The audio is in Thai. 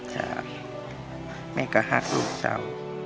ครับแม่ก็รักลูกเจ้า